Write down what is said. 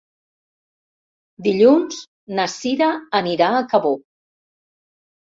Dilluns na Cira anirà a Cabó.